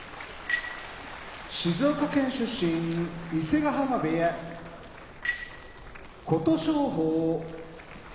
静岡県出身伊勢ヶ濱部屋琴勝峰